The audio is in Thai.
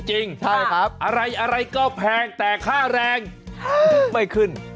ใช่ครับเหรอครับอะไรก็แพงแต่ค่าแรงไม่ขึ้น